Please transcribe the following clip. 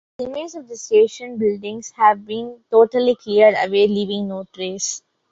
The remains of the station buildings have been totally cleared away leaving no trace.